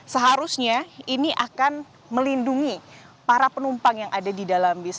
seharusnya ini akan melindungi para penumpang yang ada di dalam bis